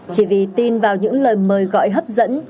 chỉ vì tin vào những lời mời gọi hấp dẫn